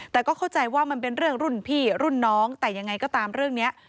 แต่ก็เข้าใจว่ามันเป็นเรื่องรุ่นพี่รุ่นน้องแต่ยังไงก็ตามเรื่องนี้